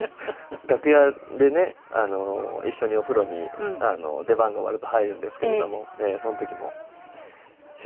楽屋でね一緒にお風呂に出番が終わると入るんですけれどもその時も芝居の話したりとか。